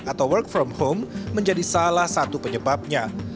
atau work from home menjadi salah satu penyebabnya